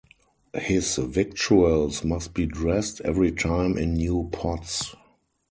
His victuals must be dressed every time in new pots.